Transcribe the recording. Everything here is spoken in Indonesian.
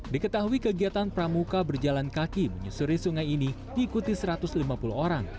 diketahui kegiatan pramuka berjalan kaki menyusuri sungai ini diikuti satu ratus lima puluh orang